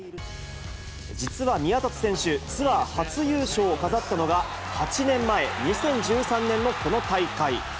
実は、宮里選手、ツアー初優勝を飾ったのが、８年前・２０１３年のこの大会。